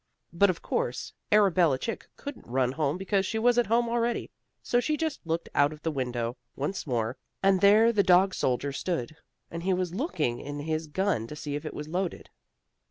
But, of course, Arabella Chick couldn't run home because she was at home already, so she just looked out of the window once more, and there the dog soldier stood, and he was looking in his gun to see if it was loaded.